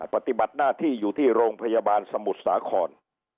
ปฏิบัติหน้าที่อยู่ที่โรงพยาบาลสมุทรสาคร